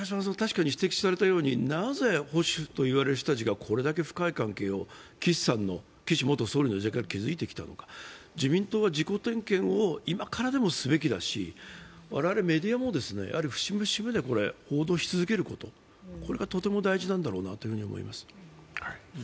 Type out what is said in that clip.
なぜ保守といわれる人たちがこれだけ深い関係を岸元総理の時代から築いてきたのか、自民党は自己点検を今からでもすべきだし我々メディアも節目節目でこれを報道し続けることがとても大事なんだろうなと思います。